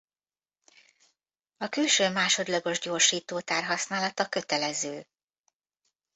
A külső másodlagos gyorsítótár használata kötelező.